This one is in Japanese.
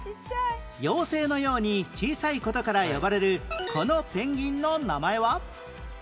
妖精のように小さい事から呼ばれるこのペンギンの名前は？